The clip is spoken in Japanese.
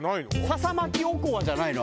笹巻きおこわじゃないの？